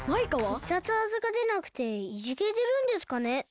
必殺技がでなくていじけてるんですかね。